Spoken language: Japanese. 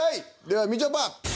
ではみちょぱ。